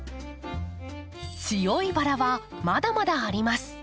強いバラはまだまだあります。